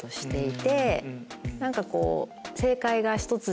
何かこう。